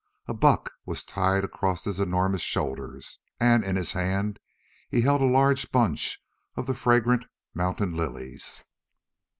A buck was tied across his enormous shoulders, and in his hand he held a large bunch of the fragrant mountain lilies.